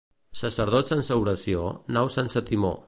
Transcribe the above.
Sacerdot sense oració, nau sense timó.